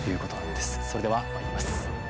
それではまいります。